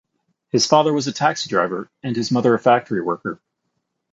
His father was a taxi driver and his mother a factory worker.